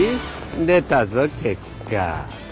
出たぞ結果。